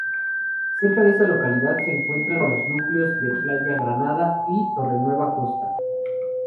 Cerca de esta localidad se encuentran los núcleos de Playa Granada y Torrenueva Costa.